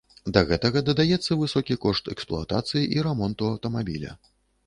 Да гэтага дадаецца высокі кошт эксплуатацыі і рамонту аўтамабіля.